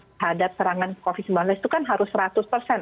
terhadap serangan covid sembilan belas itu kan harus seratus persen